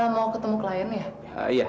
mau ketemu klien ya